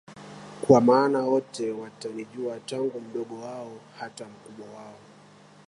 Kwa maana wote watanijua Tangu mdogo wao hata mkubwa wao